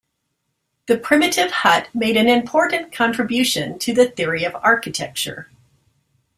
The Primitive Hut made an important contribution to the theory of architecture.